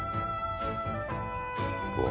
うわ